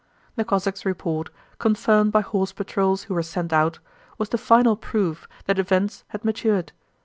The Cossack's report, confirmed by horse patrols who were sent out, was the final proof that events had matured.